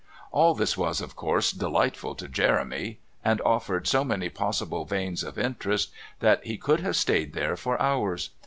All this was, of course, delightful to Jeremy, and offered so many possible veins of interest that he could have stayed there for hours.